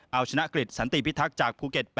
เอาชนะกฤษสันติพิทักษ์จากภูเก็ตไป